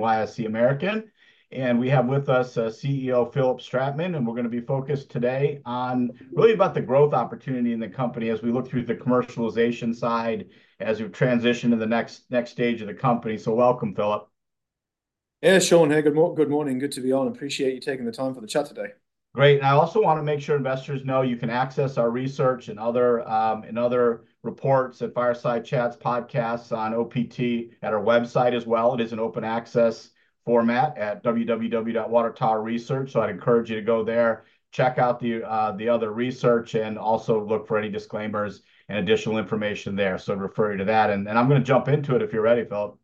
NYSE American, and we have with us, CEO Philipp Stratmann, and we're gonna be focused today on really about the growth opportunity in the company as we look through the commercialization side, as we transition to the next stage of the company. So welcome, Philipp. Hey, Shawn. Hey, good morning. Good to be on. Appreciate you taking the time for the chat today. Great, and I also wanna make sure investors know you can access our research and other, and other reports and fireside chats podcasts on OPT at our website as well. It is an open access format at www.watertowerresearch, so I'd encourage you to go there, check out the other research, and also look for any disclaimers and additional information there. So I'd refer you to that, and I'm gonna jump into it if you're ready, Philipp.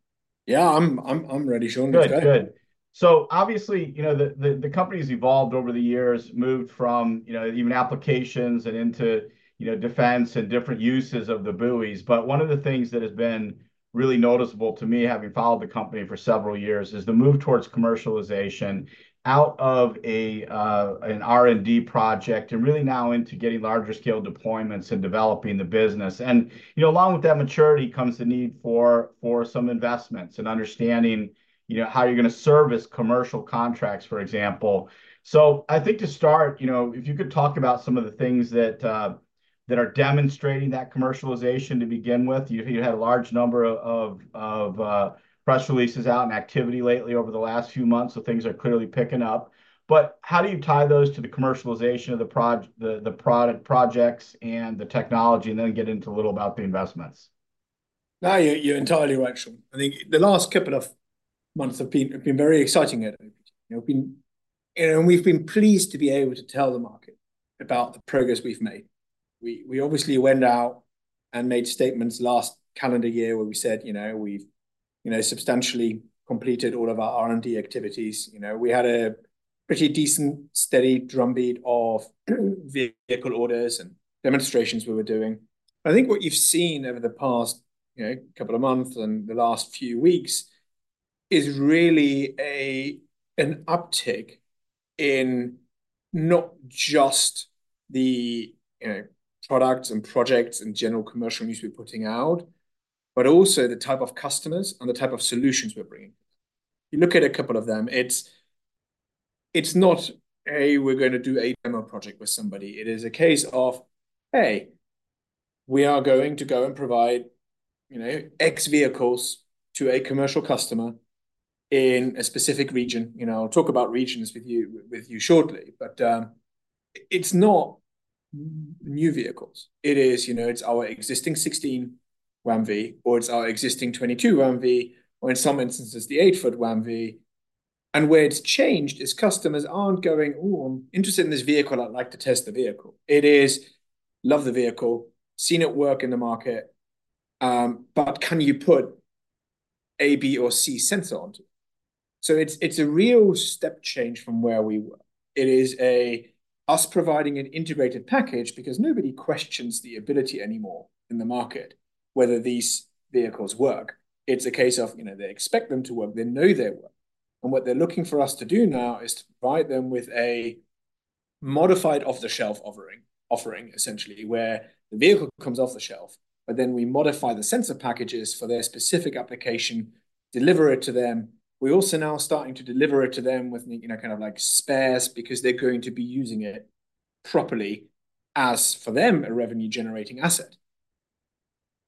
Yeah, I'm ready, Shawn. Let's go. Good. Good. So obviously, you know, the company's evolved over the years, moved from, you know, ocean applications and into, you know, defense and different uses of the buoys. But one of the things that has been really noticeable to me, having followed the company for several years, is the move towards commercialization out of an R&D project, and really now into getting larger scale deployments and developing the business. And, you know, along with that maturity comes the need for some investments and understanding, you know, how you're gonna service commercial contracts, for example. So I think to start, you know, if you could talk about some of the things that are demonstrating that commercialization to begin with. You had a large number of press releases out and activity lately over the last few months, so things are clearly picking up. But how do you tie those to the commercialization of the projects and the technology, and then get into a little about the investments? No, you're entirely right, Shawn. I think the last couple of months have been very exciting, you know. We've been pleased to be able to tell the market about the progress we've made. We obviously went out and made statements last calendar year where we said, you know, we've, you know, substantially completed all of our R&D activities. You know, we had a pretty decent, steady drumbeat of vehicle orders and demonstrations we were doing. I think what you've seen over the past, you know, couple of months and the last few weeks is really an uptick in not just the, you know, products and projects and general commercial news we're putting out, but also the type of customers and the type of solutions we're bringing. You look at a couple of them, it's not a, "We're gonna do a demo project with somebody." It is a case of, "Hey, we are going to go and provide, you know, X vehicles to a commercial customer in a specific region." You know, I'll talk about regions with you shortly, but it's not new vehicles. It is, you know, it's our existing WAM-V 16, or it's our existing WAM-V 22, or in some instances, the WAM-V 8. And where it's changed is customers aren't going, "Ooh, I'm interested in this vehicle. I'd like to test the vehicle." It is, "Love the vehicle, seen it work in the market, but can you put A, B, or C sensor onto it?" So it's a real step change from where we were. It is us providing an integrated package because nobody questions the ability anymore in the market, whether these vehicles work. It's a case of, you know, they expect them to work. They know they work, and what they're looking for us to do now is to provide them with a modified off-the-shelf offering, essentially, where the vehicle comes off the shelf, but then we modify the sensor packages for their specific application, deliver it to them. We're also now starting to deliver it to them with, you know, kind of like spares, because they're going to be using it properly as, for them, a revenue-generating asset.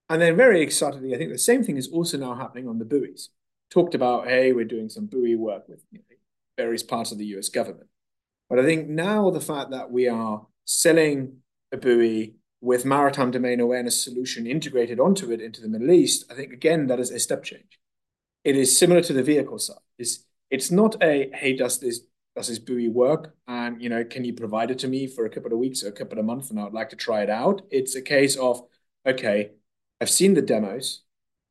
And then very excitedly, I think the same thing is also now happening on the buoys. Talked about, we're doing some buoy work with, you know, various parts of the U.S. Government. I think now the fact that we are selling a buoy with Maritime Domain Awareness Solution integrated onto it into the Middle East, I think again, that is a step change. It is similar to the vehicle side. It's not a, "Hey, does this buoy work? And, you know, can you provide it to me for a couple of weeks or a couple of months, and I'd like to try it out?" It's a case of, "Okay, I've seen the demos,"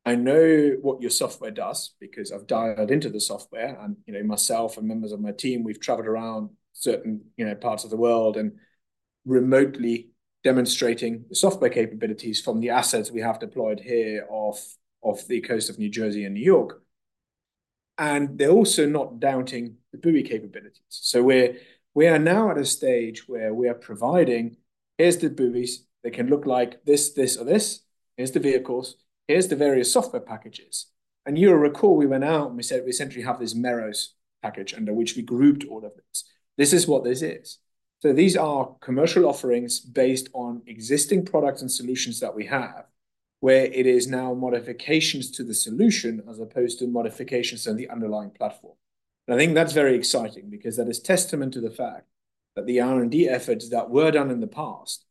"I know what your software does because I've dialed into the software," and, you know, myself and members of my team, we've traveled around certain, you know, parts of the world and remotely demonstrating the software capabilities from the assets we have deployed here off the coast of New Jersey and New York. They're also not doubting the buoy capabilities. So we are now at a stage where we are providing, "Here's the buoys. They can look like this, this, or this. Here's the vehicles. Here's the various software packages." And you'll recall we went out and we said we essentially have this Merrows package under which we grouped all of this. This is what this is. So these are commercial offerings based on existing products and solutions that we have, where it is now modifications to the solution as opposed to modifications on the underlying platform. And I think that's very exciting because that is testament to the fact that the R&D efforts that were done in the past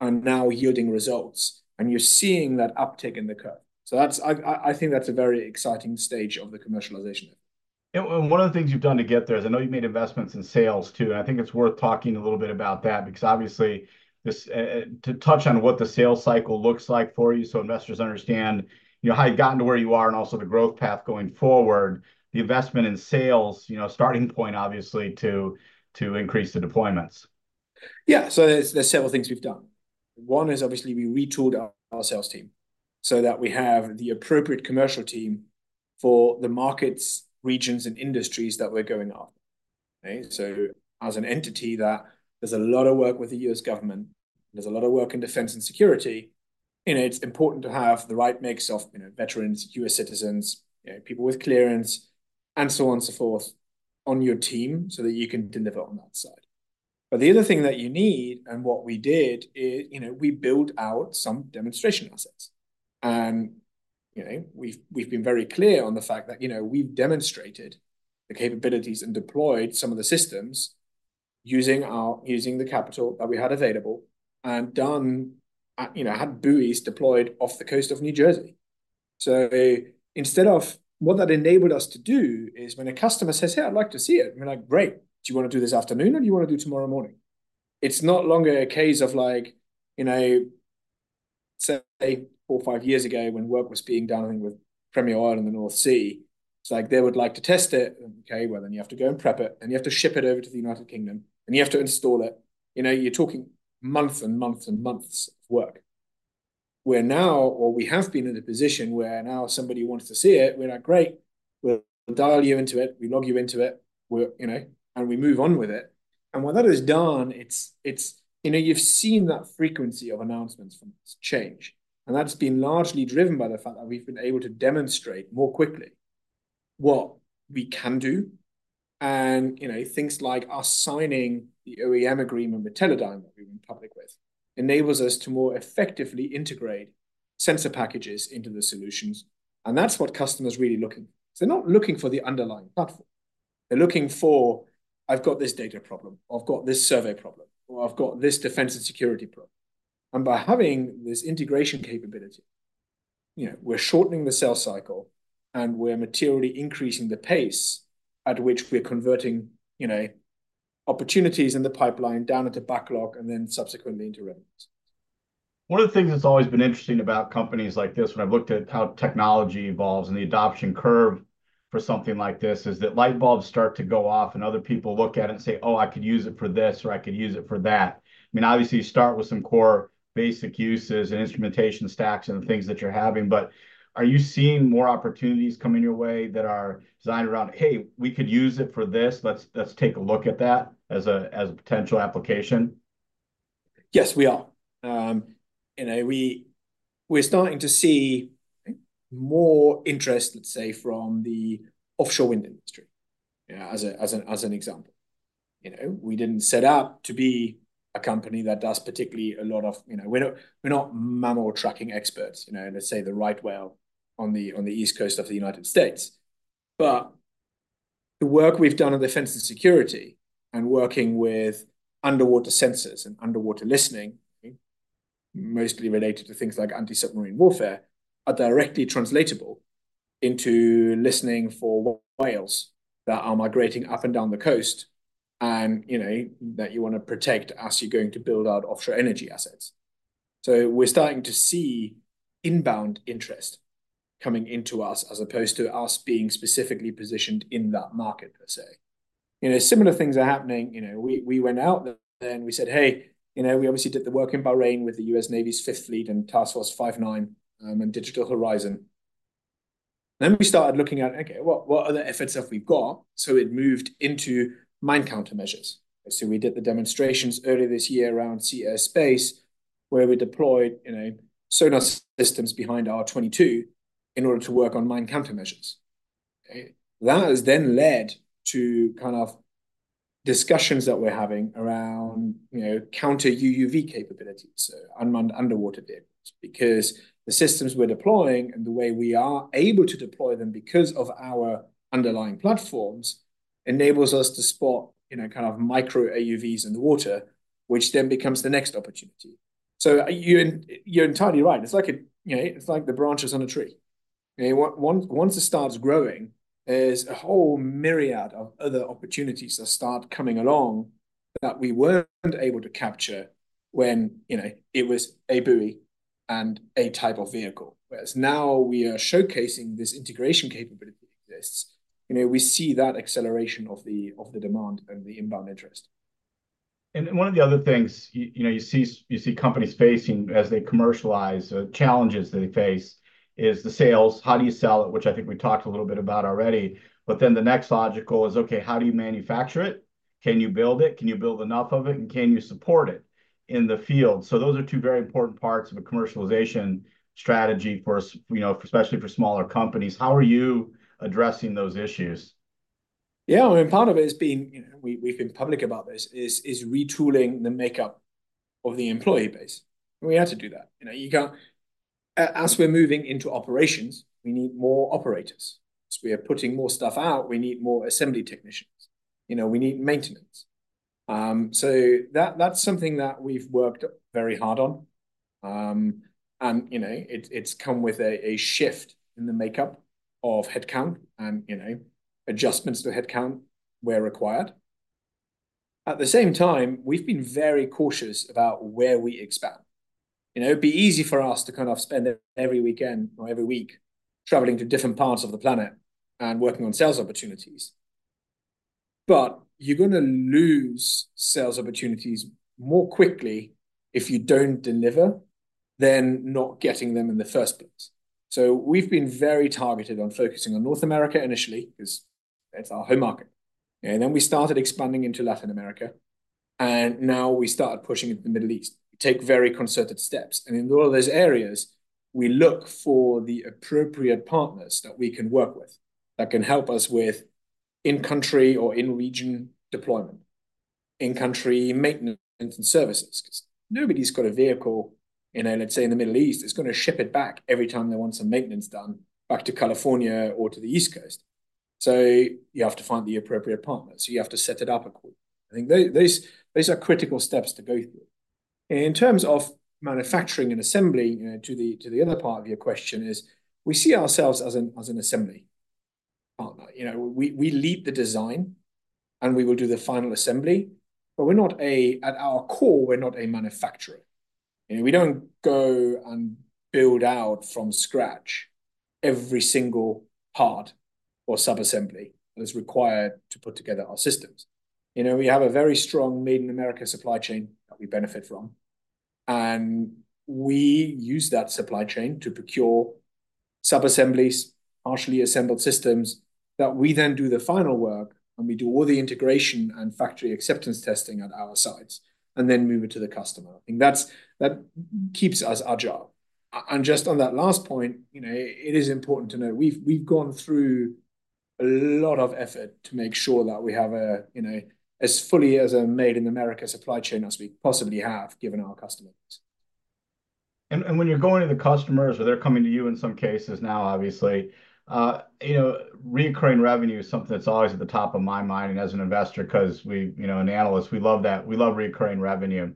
are now yielding results, and you're seeing that uptick in the curve. So that's, I think that's a very exciting stage of the commercialization effort. And one of the things you've done to get there is I know you've made investments in sales, too, and I think it's worth talking a little bit about that because obviously, this to touch on what the sales cycle looks like for you so investors understand, you know, how you've gotten to where you are and also the growth path going forward, the investment in sales, you know, starting point obviously to increase the deployments. Yeah, so there's several things we've done. One is obviously we retooled our sales team so that we have the appropriate commercial team for the markets, regions, and industries that we're going after. Right? So as an entity that does a lot of work with the U.S. government, does a lot of work in defense and security, you know, it's important to have the right mix of, you know, veterans, U.S. citizens, you know, people with clearance, and so on and so forth on your team so that you can deliver on that side. But the other thing that you need, and what we did, is, you know, we built out some demonstration assets. You know, we've been very clear on the fact that, you know, we've demonstrated the capabilities and deployed some of the systems using the capital that we had available, and done, you know, had buoys deployed off the coast of New Jersey. So instead of... What that enabled us to do is when a customer says, "Hey, I'd like to see it," we're like: "Great, do you wanna do it this afternoon, or do you wanna do tomorrow morning?" It's no longer a case of like, you know, say, four, five years ago, when work was being done with Premier Oil in the North Sea, it's like they would like to test it. Okay, well, then you have to go and prep it, and you have to ship it over to the United Kingdom, and you have to install it. You know, you're talking months and months and months of work. Where now, or we have been in a position where now somebody wants to see it, we're like: "Great, we'll dial you into it, we log you into it, we're..." You know, and we move on with it. And when that is done, it's. You know, you've seen that frequency of announcements from us change, and that's been largely driven by the fact that we've been able to demonstrate more quickly what we can do. And, you know, things like us signing the OEM agreement with Teledyne, that we went public with, enables us to more effectively integrate sensor packages into the solutions, and that's what customers are really looking for. They're not looking for the underlying platform. They're looking for, "I've got this data problem, I've got this survey problem, or I've got this defense and security problem." And by having this integration capability, you know, we're shortening the sales cycle, and we're materially increasing the pace at which we're converting, you know, opportunities in the pipeline down into backlog and then subsequently into revenues. One of the things that's always been interesting about companies like this, when I've looked at how technology evolves and the adoption curve for something like this, is that light bulbs start to go off, and other people look at it and say, "Oh, I could use it for this," or, "I could use it for that." I mean, obviously, you start with some core basic uses and instrumentation stacks and the things that you're having, but are you seeing more opportunities coming your way that are designed around, "Hey, we could use it for this. Let's take a look at that as a potential application? Yes, we are. You know, we're starting to see more interest, let's say, from the offshore wind industry, you know, as an example. You know, we didn't set out to be a company that does particularly a lot of, you know. We're not mammal-tracking experts, you know, let's say, the right whale on the East Coast of the United States. But the work we've done on defense and security and working with underwater sensors and underwater listening, mostly related to things like anti-submarine warfare, are directly translatable into listening for whales that are migrating up and down the coast and, you know, that you wanna protect as you're going to build out offshore energy assets. So we're starting to see inbound interest coming into us, as opposed to us being specifically positioned in that market, per se. You know, similar things are happening. You know, we went out there, and we said, "Hey," you know, we obviously did the work in Bahrain with the U.S. Navy's Fifth Fleet and Task Force 59, and Digital Horizon. Then we started looking at, okay, what other efforts have we got? So we'd moved into mine countermeasures. So we did the demonstrations earlier this year around Sea-Air-Space, where we deployed, you know, sonar systems behind WAM-V 22 in order to work on mine countermeasures. That has then led to kind of discussions that we're having around, you know, counter UUV capabilities, underwater vehicles. Because the systems we're deploying and the way we are able to deploy them because of our underlying platforms, enables us to spot, you know, kind of micro AUVs in the water, which then becomes the next opportunity. So you're entirely right. It's like, you know, it's like the branches on a tree. You know, once it starts growing, there's a whole myriad of other opportunities that start coming along that we weren't able to capture when, you know, it was a buoy and a type of vehicle. Whereas now, we are showcasing this integration capability exists. You know, we see that acceleration of the demand and the inbound interest. And one of the other things you know, you see companies facing, as they commercialize, challenges that they face, is the sales. How do you sell it? Which I think we talked a little bit about already. But then the next logical is, okay, how do you manufacture it? Can you build it? Can you build enough of it, and can you support it in the field? So those are two very important parts of a commercialization strategy for, you know, especially for smaller companies. How are you addressing those issues? Yeah, I mean, part of it has been, you know, we, we've been public about this, is, is retooling the makeup of the employee base. We had to do that. You know, you can't... as we're moving into operations, we need more operators. So we are putting more stuff out, we need more assembly technicians. You know, we need maintenance. So that, that's something that we've worked very hard on. And, you know, it's, it's come with a, a shift in the makeup of headcount and, you know, adjustments to headcount where required. At the same time, we've been very cautious about where we expand. You know, it'd be easy for us to kind of spend every weekend or every week traveling to different parts of the planet and working on sales opportunities, but you're gonna lose sales opportunities more quickly if you don't deliver then not getting them in the first place. So we've been very targeted on focusing on North America initially, 'cause that's our home market. And then we started expanding into Latin America, and now we started pushing into the Middle East. We take very concerted steps, and in all of those areas, we look for the appropriate partners that we can work with, that can help us with in-country or in-region deployment, in-country maintenance and services. 'Cause nobody's got a vehicle, you know, let's say in the Middle East, that's gonna ship it back every time they want some maintenance done back to California or to the East Coast. So you have to find the appropriate partners, so you have to set it up accordingly. I think those are critical steps to go through. In terms of manufacturing and assembly, you know, to the other part of your question, we see ourselves as an assembly partner. You know, we lead the design, and we will do the final assembly, but at our core, we're not a manufacturer. You know, we don't go and build out from scratch every single part or sub-assembly that's required to put together our systems. You know, we have a very strong made-in-America supply chain that we benefit from, and we use that supply chain to procure sub-assemblies, partially assembled systems, that we then do the final work, and we do all the integration and factory acceptance testing at our sites, and then move it to the customer. I think that keeps us agile. Just on that last point, you know, it is important to note, we've gone through a lot of effort to make sure that we have a, you know, as fully a made-in-America supply chain as we possibly have, given our customer base. When you're going to the customers, or they're coming to you in some cases now, obviously, you know, recurring revenue is something that's always at the top of my mind and as an investor, 'cause we, you know, an analyst, we love that. We love recurring revenue.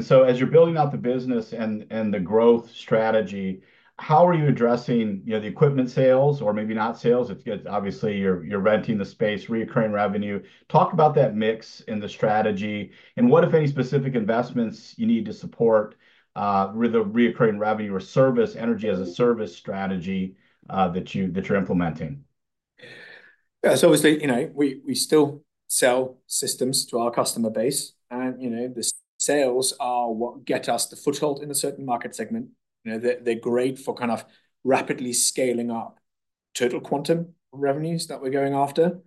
So, as you're building out the business and the growth strategy, how are you addressing, you know, the equipment sales or maybe not sales? It's obviously you're renting the space, recurring revenue. Talk about that mix and the strategy, and what, if any, specific investments you need to support with the recurring revenue or service, Energy-as-a-Service strategy, that you, that you're implementing. Yeah, so obviously, you know, we still sell systems to our customer base, and, you know, the sales are what get us the foothold in a certain market segment. You know, they're great for kind of rapidly scaling up total quantum revenues that we're going after.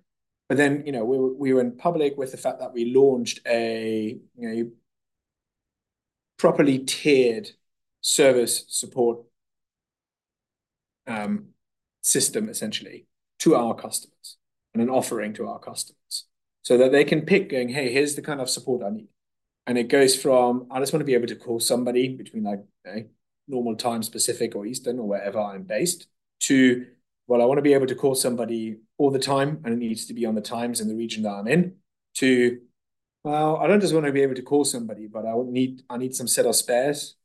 But then, you know, we went public with the fact that we launched a, you know, properly tiered service support system, essentially, to our customers and an offering to our customers. So that they can pick, going, "Hey, here's the kind of support I need." And it goes from, "I just wanna be able to call somebody between, like, normal time, Pacific or Eastern or wherever I'm based," to, "Well, I wanna be able to call somebody all the time, and it needs to be on the times in the region that I'm in," to, "Well, I don't just wanna be able to call somebody, but I would need- I need some set of spares,"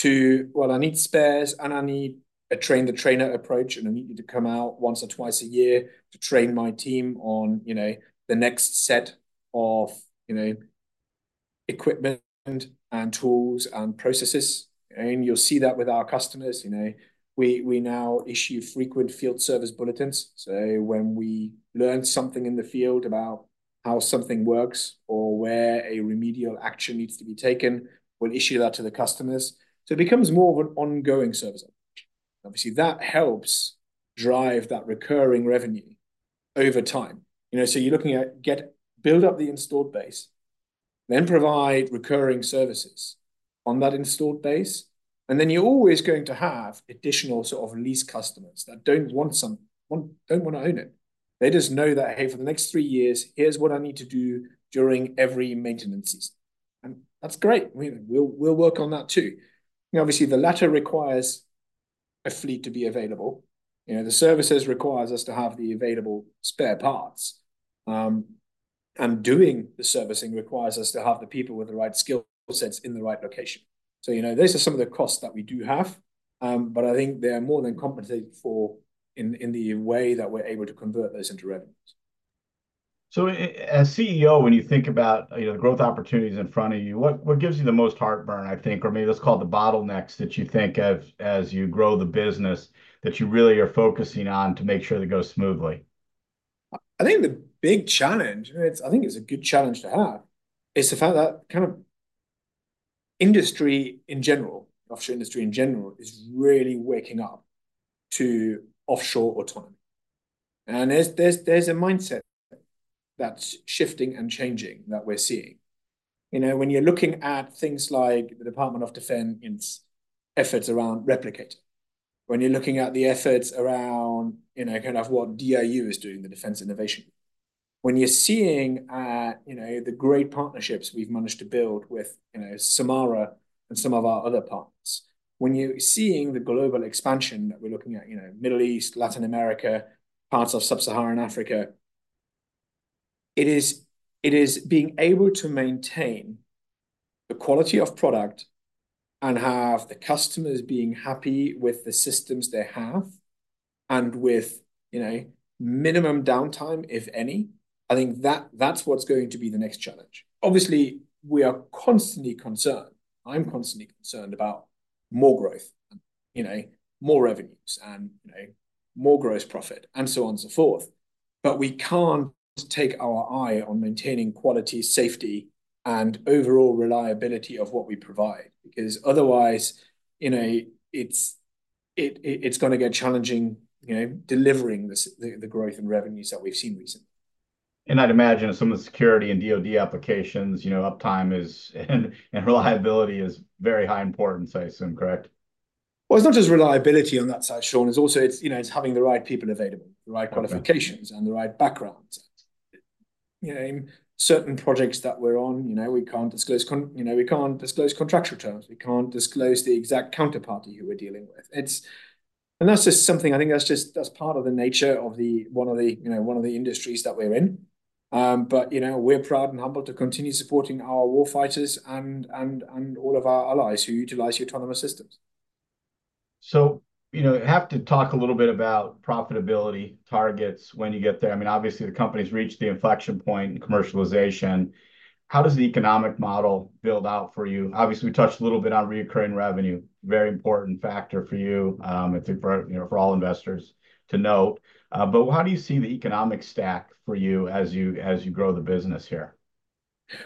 To, "Well, I need spares, and I need a train-the-trainer approach, and I need you to come out once or twice a year to train my team on, you know, the next set of, you know, equipment and tools and processes." And you'll see that with our customers, you know, we now issue frequent field service bulletins. So when we learn something in the field about how something works or where a remedial action needs to be taken, we'll issue that to the customers. So it becomes more of an ongoing service. Obviously, that helps drive that recurring revenue over time. You know, so you're looking at build up the installed base, then provide recurring services on that installed base, and then you're always going to have additional sort of lease customers that don't wanna own it. They just know that, "Hey, for the next three years, here's what I need to do during every maintenance season." And that's great. We'll work on that, too. You know, obviously, the latter requires a fleet to be available. You know, the services requires us to have the available spare parts. Doing the servicing requires us to have the people with the right skill sets in the right location. So, you know, those are some of the costs that we do have, but I think they're more than compensated for in the way that we're able to convert those into revenues. So as CEO, when you think about, you know, the growth opportunities in front of you, what, what gives you the most heartburn, I think, or maybe let's call it the bottlenecks that you think of as you grow the business, that you really are focusing on to make sure they go smoothly? I think the big challenge, and it's—I think it's a good challenge to have, is the fact that, kind of, industry in general, the offshore industry in general, is really waking up to offshore autonomy. And there's a mindset that's shifting and changing that we're seeing. You know, when you're looking at things like the Department of Defense's efforts around Replicator, when you're looking at the efforts around, you know, kind of what DIU is doing, the defense innovation. When you're seeing, you know, the great partnerships we've managed to build with, you know, Sulmara and some of our other partners. When you're seeing the global expansion that we're looking at, you know, Middle East, Latin America, parts of sub-Saharan Africa, it is, it is being able to maintain the quality of product and have the customers being happy with the systems they have and with, you know, minimum downtime, if any. I think that, that's what's going to be the next challenge. Obviously, we are constantly concerned, I'm constantly concerned about more growth, you know, more revenues and, you know, more gross profit, and so on and so forth. But we can't take our eye on maintaining quality, safety, and overall reliability of what we provide, because otherwise, you know, it's gonna get challenging, you know, delivering the growth in revenues that we've seen recently. I'd imagine some of the security and DoD applications, you know, uptime is, and reliability is very high importance, I assume, correct? Well, it's not just reliability on that side, Shawn, it's also, you know, it's having the right people available. The right qualifications and the right backgrounds. You know, in certain projects that we're on, you know, we can't disclose contractual terms. We can't disclose the exact counterparty who we're dealing with. It's. And that's just something, I think that's just part of the nature of one of the, you know, industries that we're in. But you know, we're proud and humbled to continue supporting our warfighters and all of our allies who utilize autonomous systems. So, you know, I have to talk a little bit about profitability targets when you get there. I mean, obviously, the company's reached the inflection point in commercialization. How does the economic model build out for you? Obviously, we touched a little bit on recurring revenue, very important factor for you, I think for, you know, for all investors to note. But how do you see the economic stack for you as you grow the business here?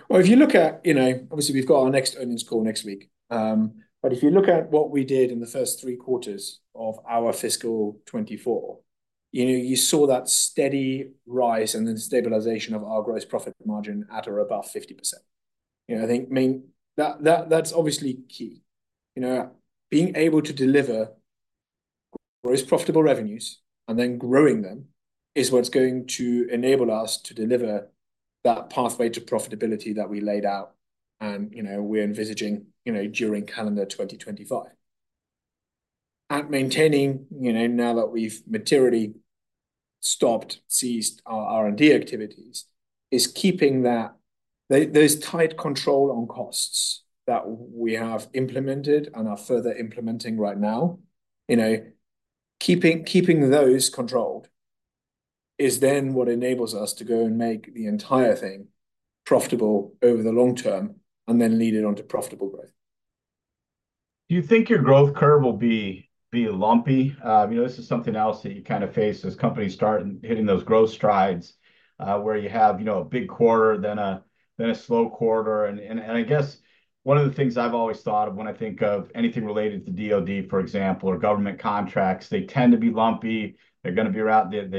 Well, if you look at, you know, obviously, we've got our next earnings call next week. But if you look at what we did in the first three quarters of our fiscal 2024, you know, you saw that steady rise and then stabilization of our gross profit margin at or above 50%. You know, I think, I mean, that, that, that's obviously key. You know, being able to deliver gross profitable revenues and then growing them, is what's going to enable us to deliver that pathway to profitability that we laid out, and, you know, we're envisaging, you know, during calendar 2025. And maintaining, you know, now that we've materially stopped, ceased our R&D activities, is keeping that...Those tight control on costs that we have implemented and are further implementing right now, you know, keeping those controlled, is then what enables us to go and make the entire thing profitable over the long term, and then lead it on to profitable growth. Do you think your growth curve will be lumpy? You know, this is something else that you kind of face as companies start hitting those growth strides, where you have, you know, a big quarter, then a slow quarter. And I guess one of the things I've always thought of when I think of anything related to DOD, for example, or government contracts, they tend to be lumpy. You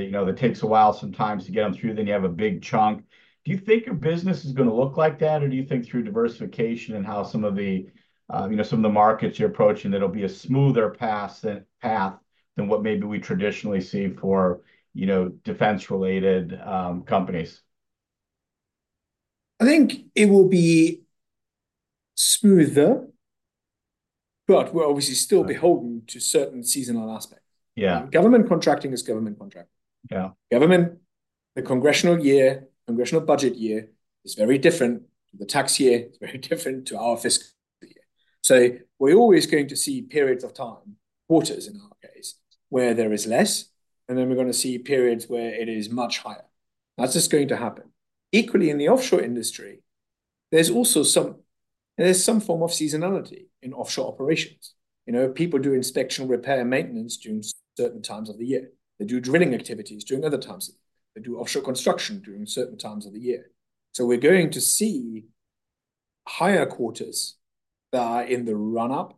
know, it takes a while sometimes to get them through, then you have a big chunk. Do you think your business is gonna look like that? Or do you think through diversification and how some of the, you know, some of the markets you're approaching, that it'll be a smoother path than what maybe we traditionally see for, you know, defense-related companies? I think it will be smoother, but we're obviously still beholden to certain seasonal aspects. Government contracting is government contracting. Government, the congressional year, congressional budget year, is very different to the tax year. It's very different to our fiscal year. So we're always going to see periods of time, quarters in our case, where there is less, and then we're gonna see periods where it is much higher. That's just going to happen. Equally, in the offshore industry, there's also some form of seasonality in offshore operations. You know, people do inspection, repair, and maintenance during certain times of the year. They do drilling activities during other times. They do offshore construction during certain times of the year. So we're going to see higher quarters that are in the run-up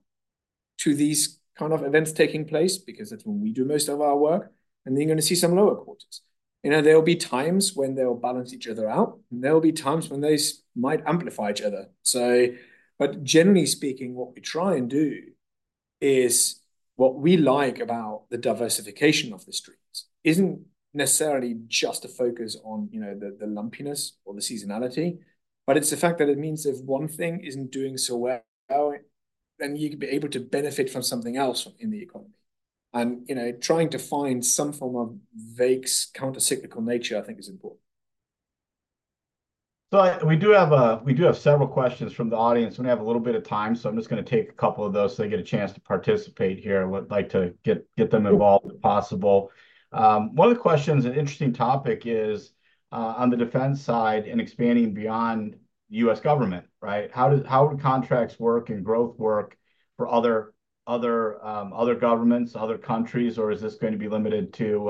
to these kind of events taking place, because that's when we do most of our work, and then you're gonna see some lower quarters. You know, there'll be times when they'll balance each other out, and there'll be times when they might amplify each other. So, but generally speaking, what we try and do is, what we like about the diversification of the streams isn't necessarily just a focus on, you know, the lumpiness or the seasonality, but it's the fact that it means if one thing isn't doing so well, then you can be able to benefit from something else in the economy. And, you know, trying to find some form of vague countercyclical nature, I think is important. So, we do have several questions from the audience, and we have a little bit of time, so I'm just gonna take a couple of those, so they get a chance to participate here. I would like to get them involved, if possible. One of the questions, an interesting topic is, on the defense side and expanding beyond U.S. Government, right? How would contracts work and growth work for other governments, other countries, or is this going to be limited to,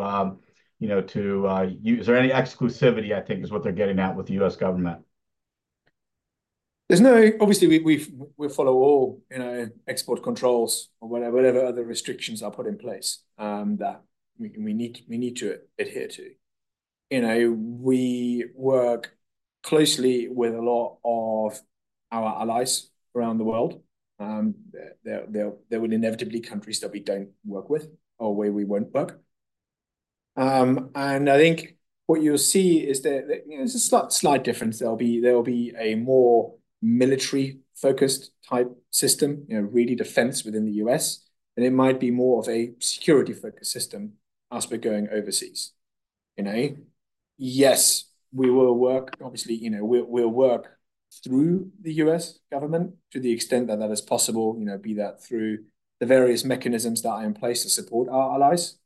you know, to, is there any exclusivity, I think is what they're getting at, with the U.S. Government? Obviously, we follow all, you know, export controls or whatever other restrictions are put in place that we need to adhere to. You know, we work closely with a lot of our allies around the world. There will inevitably be countries that we don't work with or where we won't work. I think what you'll see is that, you know, there's a slight difference. There'll be a more military-focused type system, you know, really defense within the U.S., and it might be more of a security-focused system as we're going overseas. You know, yes, we will work, obviously, you know, we'll work through the U.S. government to the extent that that is possible, you know, be that through the various mechanisms that are in place to support our allies...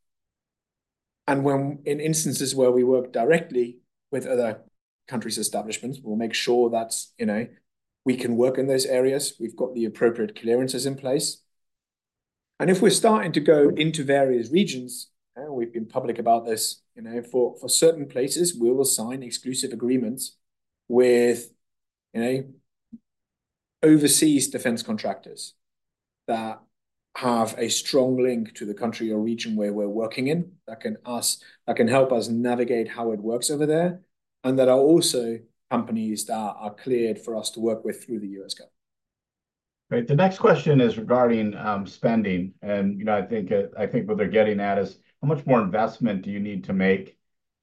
And when, in instances where we work directly with other countries' establishments, we'll make sure that, you know, we can work in those areas, we've got the appropriate clearances in place. And if we're starting to go into various regions, and we've been public about this, you know, for certain places, we will sign exclusive agreements with, you know, overseas defense contractors that have a strong link to the country or region where we're working in, that can help us navigate how it works over there, and that are also companies that are cleared for us to work with through the U.S. Government. Right, the next question is regarding spending. And, you know, I think, I think what they're getting at is, how much more investment do you need to make,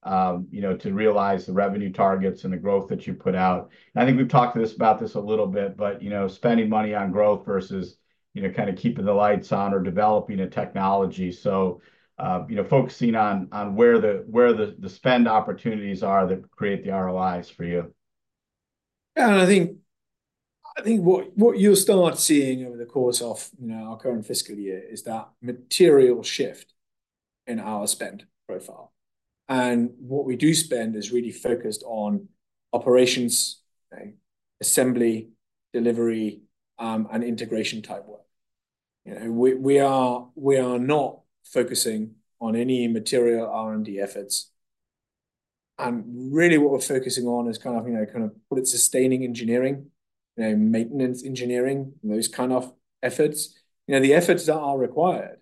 you know, to realize the revenue targets and the growth that you put out? And I think we've talked about this a little bit, but, you know, spending money on growth versus, you know, kind of keeping the lights on or developing a technology. So, you know, focusing on where the spend opportunities are that create the ROIs for you. Yeah, and I think what you'll start seeing over the course of, you know, our current fiscal year, is that material shift in our spend profile. And what we do spend is really focused on operations, assembly, delivery, and integration type work. You know, we are not focusing on any material R&D efforts. And really what we're focusing on is kind of, you know, kind of, call it sustaining engineering, you know, maintenance engineering, those kind of efforts. You know, the efforts that are required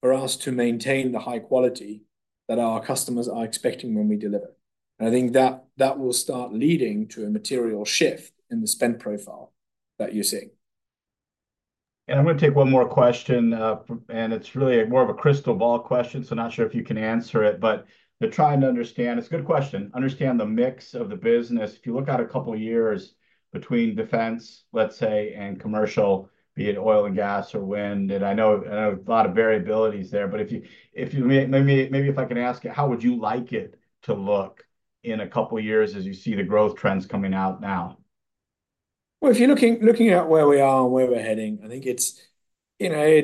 for us to maintain the high quality that our customers are expecting when we deliver. And I think that will start leading to a material shift in the spend profile that you're seeing. And I'm gonna take one more question, and it's really more of a crystal ball question, so I'm not sure if you can answer it, but they're trying to understand... It's a good question. Understand the mix of the business. If you look out a couple of years between defense, let's say, and commercial, be it oil and gas or wind, and I know, I know there are a lot of variabilities there, but if you, if you, maybe, maybe if I can ask you, how would you like it to look in a couple of years as you see the growth trends coming out now? Well, if you're looking at where we are and where we're heading, I think it's, you know,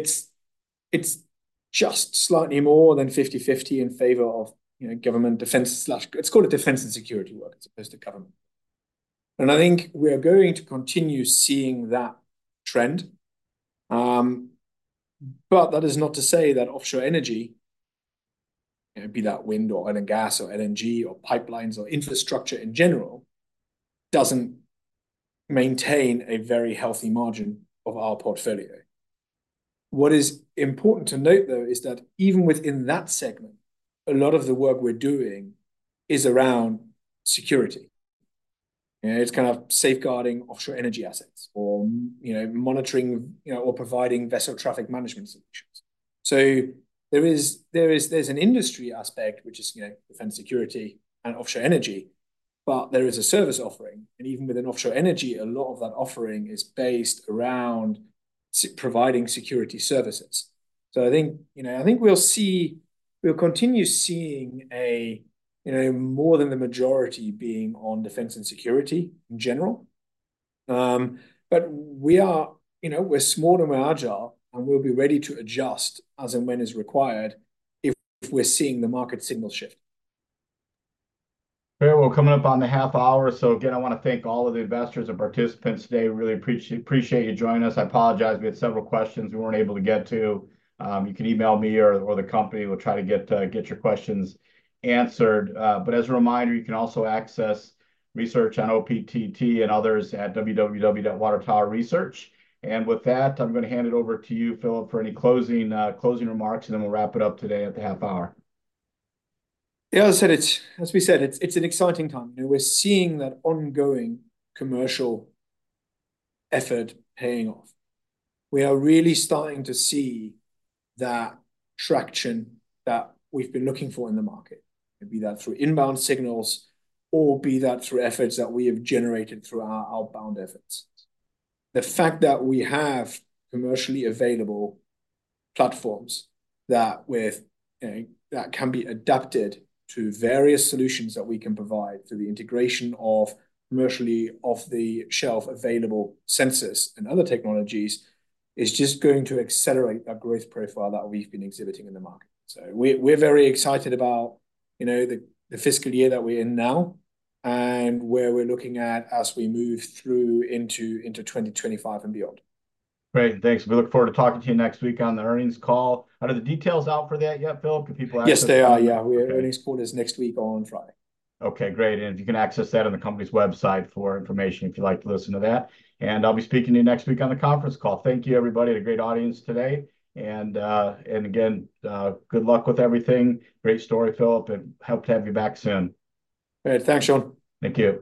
just slightly more than 50/50 in favor of, you know, government defense slash- let's call it defense and security work, as opposed to government. I think we are going to continue seeing that trend. But that is not to say that offshore energy, be that wind, or oil and gas, or LNG, or pipelines, or infrastructure in general, doesn't maintain a very healthy margin of our portfolio. What is important to note, though, is that even within that segment, a lot of the work we're doing is around security. You know, it's kind of safeguarding offshore energy assets or, you know, monitoring, you know, or providing vessel traffic management solutions. So there is an industry aspect, which is, you know, defense, security, and offshore energy, but there is a service offering, and even within offshore energy, a lot of that offering is based around providing security services. So I think, you know, I think we'll see—we'll continue seeing a, you know, more than the majority being on defense and security in general. But we are, you know, we're small and we're agile, and we'll be ready to adjust as and when is required if we're seeing the market signal shift. Great. We're coming up on the half hour, so again, I wanna thank all of the investors and participants today. Really appreciate, appreciate you joining us. I apologize, we had several questions we weren't able to get to. You can email me or the company; we'll try to get, get your questions answered. But as a reminder, you can also access research on OPTT and others at www.watertowerresearch. And with that, I'm gonna hand it over to you, Philipp, for any closing, closing remarks, and then we'll wrap it up today at the half hour. Yeah, as we said, it's an exciting time, and we're seeing that ongoing commercial effort paying off. We are really starting to see that traction that we've been looking for in the market, it be that through inbound signals, or be that through efforts that we have generated through our outbound efforts. The fact that we have commercially available platforms that can be adapted to various solutions that we can provide through the integration of commercially off-the-shelf available sensors and other technologies, is just going to accelerate that growth profile that we've been exhibiting in the market. So we're very excited about, you know, the fiscal year that we're in now, and where we're looking at as we move through into 2025 and beyond. Great, thanks. We look forward to talking to you next week on the earnings call. Are the details out for that yet, Philipp? Can people ask- Yes, they are, yeah. Okay. Our earnings call is next week on Friday. Okay, great. And if you can access that on the company's website for information, if you'd like to listen to that. And I'll be speaking to you next week on the conference call. Thank you, everybody. A great audience today. And, and again, good luck with everything. Great story, Philipp, and hope to have you back soon. Great. Thanks, Shawn. Thank you.